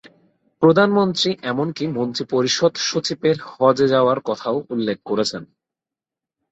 প্রধানমন্ত্রী এমনকি মন্ত্রিপরিষদ সচিবের হজে যাওয়ার কথাও উল্লেখ করেছেন।